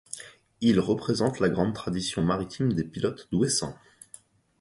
Il représente la grande tradition maritime des pilotes d'Ouessant.